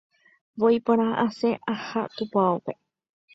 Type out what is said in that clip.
Voi porã asẽ aha tupãópe.